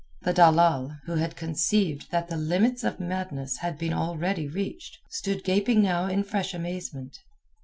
The dalal, who had conceived that the limits of madness had been already reached, stood gaping now in fresh amazement.